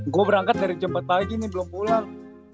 gue berangkat dari jepang pagi nih belum pulang